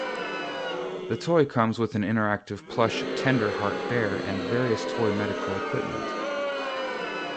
The toy comes with an interactive plush Tenderheart bear and various toy medical equipment.